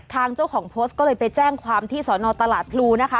ทางเจ้าของโพสต์ก็เลยไปแจ้งความที่สอนอตลาดพลูนะคะ